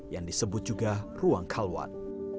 yang disebut juga ruang kalwat